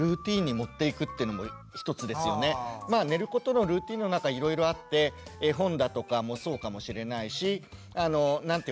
基本的に寝ることのルーティーンの中いろいろあって絵本だとかもそうかもしれないし何ていうかな